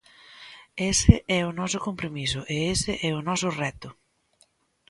Ese é o noso compromiso e ese é o noso reto.